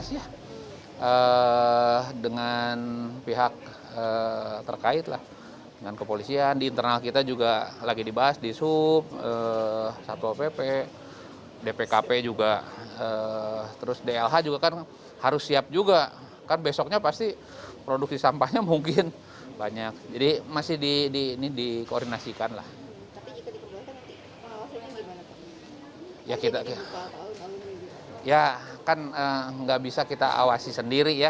ya kan nggak bisa kita awasi sendiri ya